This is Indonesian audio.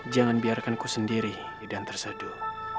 jangan biarkan ku sendiri dan terseduh